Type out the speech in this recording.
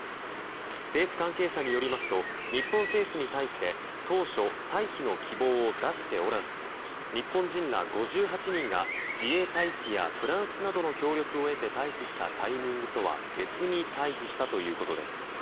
政府関係者によりますと日本政府に対して当初、退避の希望を出しておらず日本人ら５８人が自衛隊機やフランスなどの協力を得て退避したタイミングとは別に退避したということです。